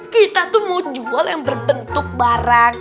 kita tuh mau jual yang berbentuk barang